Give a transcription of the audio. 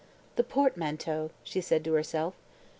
"The portmanteau," she said to herself.